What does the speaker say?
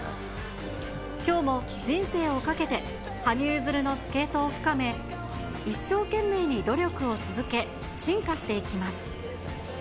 きょうも人生をかけて羽生結弦のスケートを深め、一生懸命に努力を続け、進化していきます。